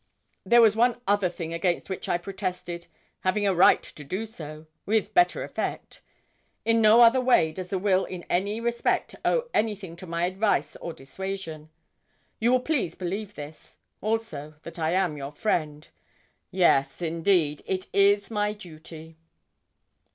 There was one other against which I protested having a right to do so with better effect. In no other way does the will in any respect owe anything to my advice or dissuasion. You will please believe this; also that I am your friend. Yes, indeed, it is my duty.'